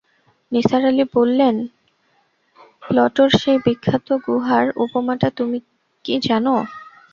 নিসার আলি বললেন, প্লটোর সেই বিখ্যাত গুহার উপমাটা কি তুমি জান?